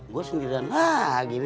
gue sendirian lagi ini